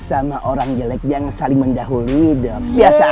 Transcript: sama aja lobo anak buah juga